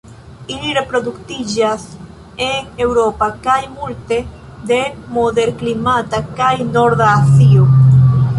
Ili reproduktiĝas en Eŭropo kaj multe de moderklimata kaj norda Azio.